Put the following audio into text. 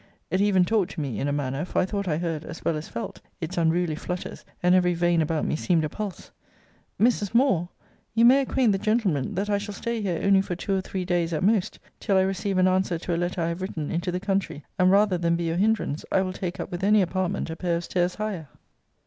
It even talked to me, in a manner; for I thought I heard, as well as felt, its unruly flutters; and every vein about me seemed a pulse; Mrs. Moore] you may acquaint the gentleman, that I shall stay here only for two or three days at most, till I receive an answer to a letter I have written into the country; and rather than be your hindrance, I will take up with any apartment a pair of stairs higher.